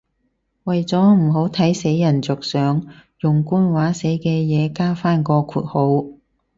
為咗唔好睇死人着想，用官話寫嘅嘢加返個括號